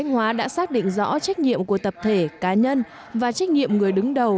phát định rõ trách nhiệm của tập thể cá nhân và trách nhiệm người đứng đầu